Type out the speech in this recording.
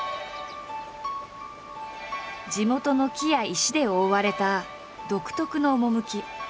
地元の木や石で覆われた独特の趣。